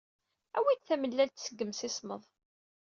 Awi-d tamellalt seg yimsismeḍ.